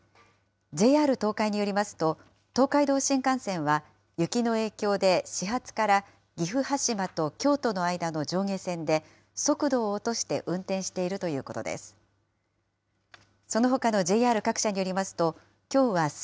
ＪＲ東海によりますと、東海道新幹線は、雪の影響で始発から岐阜羽島と京都の間の上下線で速度を落として運転しているということです。